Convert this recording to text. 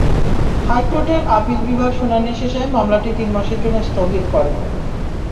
হাইকোর্টের আপিল বিভাগ শুনানি শেষে মামলাটি তিন মাসের জন্য স্থগিত করেন।